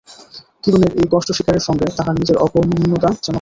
কিরণের এই কষ্টস্বীকারের সঙ্গে তাহার নিজের অকর্মণ্যতা যেন খাপ খাইল না।